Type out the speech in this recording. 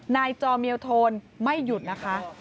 นายจอมีลโทนไม่หยุดนะคะ